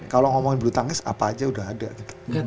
kalau ngomongin bulu tangkis apa aja udah ada gitu